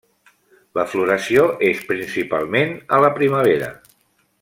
La floració és principalment a la primavera.